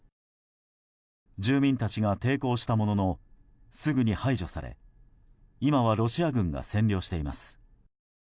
住民たちが抵抗したもののすぐに排除され今はロシア軍が占領しています。